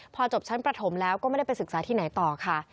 พอจบชั้นประถมแล้วก็ไม่ได้ไปศึกษาที่ไหนต่อค่ะ